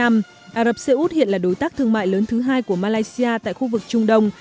ả rập xê út hiện là đối tác thương mại lớn thứ hai của malaysia tại khu vực trung đông